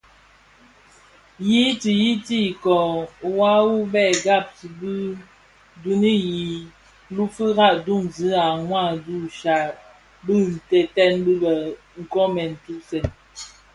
Ti yiyiti ikōō wua wu bë ghaksi bi duň yi lufira duňzi a mwadingusha Bitënten bi bë nkoomèn ntusèn.